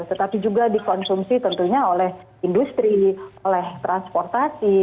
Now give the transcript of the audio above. tetapi juga dikonsumsi tentunya oleh industri oleh transportasi